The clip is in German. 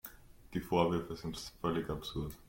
Die Vorwürfe sind völlig absurd.